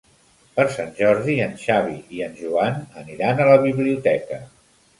Per Sant Jordi en Xavi i en Joan aniran a la biblioteca.